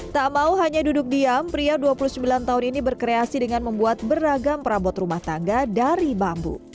tak mau hanya duduk diam pria dua puluh sembilan tahun ini berkreasi dengan membuat beragam perabot rumah tangga dari bambu